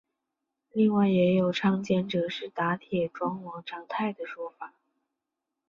另外也有倡建者是打铁庄王长泰的说法。